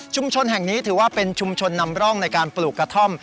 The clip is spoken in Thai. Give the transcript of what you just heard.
แห่งนี้ถือว่าเป็นชุมชนนำร่องในการปลูกกระท่อม